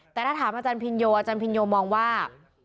แต่ถ้าถามอาจารย์พินโยอาจารย์พินโยมองว่า